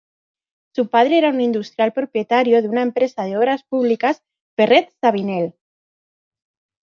Su padre era un industrial propietario de una empresa de obras públicas, "Ferret-Savinel".